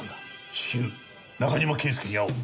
至急中島圭介に会おう。